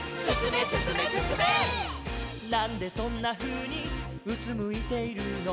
「なんでそんなふうにうつむいているの」